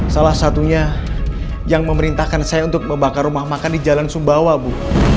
salah satunya yang memerintahkan saya untuk membakar rumah makan di jalan sumbawa bu